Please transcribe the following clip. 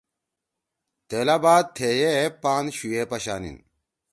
تیلا بعد تھیئے پان شُوں ئے پشانیِن۔“